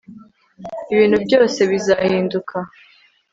ibintu byose bizahinduka